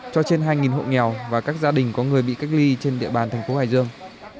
cho trên hai hộ nghèo và các gia đình có người bị cách ly trên địa bàn thành phố hải dương